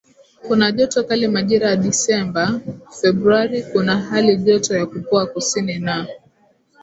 kuna joto kali Majira ya Desemba Februari kuna halijoto ya kupoa kusini na